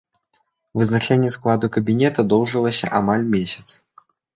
Вызначэнне складу кабінета доўжылася амаль месяц.